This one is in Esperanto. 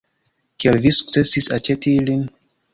Kiel vi sukcesis aĉeti ilin?